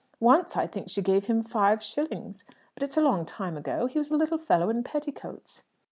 Once I think she gave him five shillings. But it's a long time ago; he was a little fellow in petticoats."